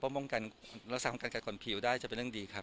ป้องป้องกันอาสาบเหมือนการกัดกร่อนผิวได้จะเป็นเรื่องดีครับ